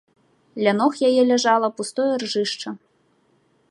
Ля ног яе ляжала пустое ржышча.